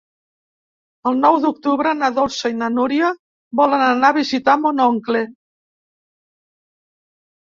El nou d'octubre na Dolça i na Núria volen anar a visitar mon oncle.